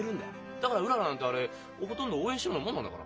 だからうららなんてあれほとんど応援してるようなもんなんだから。